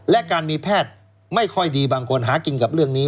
และการมีแพทย์ไม่ค่อยดีบางคนหากินกับเรื่องนี้